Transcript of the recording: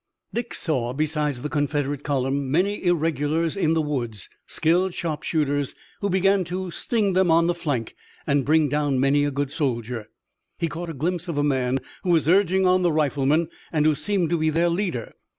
Dick saw besides the Confederate column many irregulars in the woods, skilled sharpshooters, who began to sting them on the flank and bring down many a good soldier. He caught a glimpse of a man who was urging on the riflemen and who seemed to be their leader.